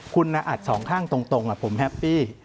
คุณอัดสองข้างตรงผมแฮปปี้